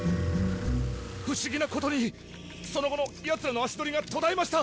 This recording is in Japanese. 不思議なことにその後のヤツらの足取りが途絶えました。